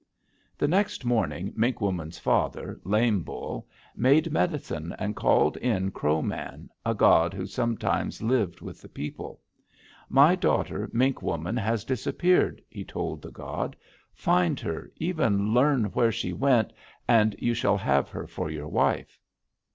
"The next morning Mink Woman's father, Lame Bull, made medicine and called in Crow Man, a god who sometimes lived with the people. 'My daughter, Mink Woman, has disappeared,' he told the god. 'Find her, even learn where she went, and you shall have her for your wife.'